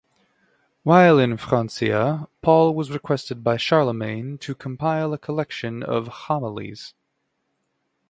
While in Francia, Paul was requested by Charlemagne to compile a collection of homilies.